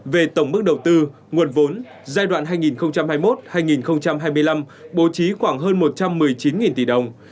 về tổng mức đầu tư nguồn vốn giai đoạn hai nghìn hai mươi một hai nghìn hai mươi năm bố trí khoảng hơn một trăm một mươi chín tỷ đồng